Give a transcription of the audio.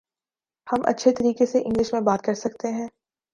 ہم اچھے طریقے سے انگلش میں بات کر سکتے ہیں